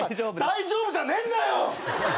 大丈夫じゃねえんだよ！